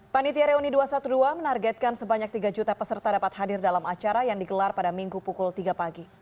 panitia reuni dua ratus dua belas menargetkan sebanyak tiga juta peserta dapat hadir dalam acara yang digelar pada minggu pukul tiga pagi